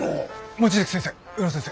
望月先生宇野先生。